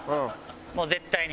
もう絶対に。